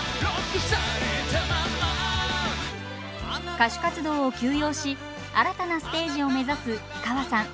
歌手活動を休養し新たなステージを目指す氷川さん。